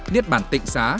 niết bản tịnh xá